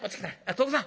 徳さん